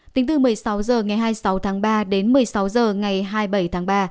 tính từ một mươi sáu h ngày hai mươi sáu tháng ba đến một mươi sáu h ngày hai mươi bảy tháng ba